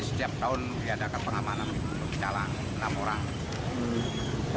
setiap tahun diadakan pengamanan salam namoran jadi gimana tangga banyak tidak ada perangkat yang banyak